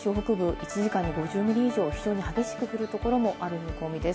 九州北部、１時間に５０ミリ以上、非常に激しく降るところもある見込みです。